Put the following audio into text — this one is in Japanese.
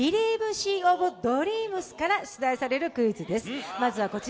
シー・オブ・ドリームスから出題されるクイズです。